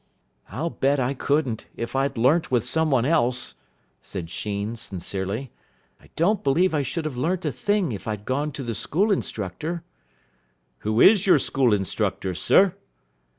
"I'll bet I couldn't, if I'd learnt with some one else," said Sheen, sincerely. "I don't believe I should have learnt a thing if I'd gone to the school instructor." "Who is your school instructor, sir?"